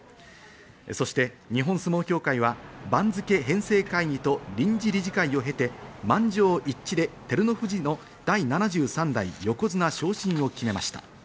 そして日本相撲協会は番付編成会議と臨時理事会を経て、満場一致で照ノ富士の第７３代横綱昇進を決めました。